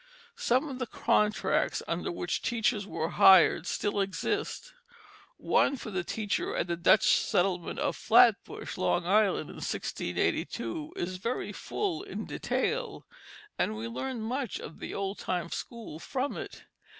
Some of the contracts under which teachers were hired still exist. One for the teacher at the Dutch settlement of Flatbush, Long Island, in 1682, is very full in detail, and we learn much of the old time school from it.